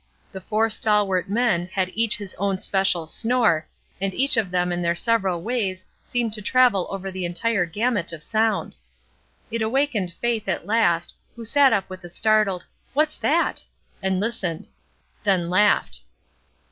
The four stalwart men had each his own special snore, and each of them in their several ways seemed to travel over the entire gamut of sound. It awakened Faith, at last, who sat up with a startled ''What's that?'' and listened; then laughed.